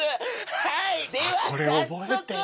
はいでは早速。